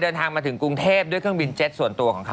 โดยเจ้าตัวตื่นเต้นที่เจอเด็ก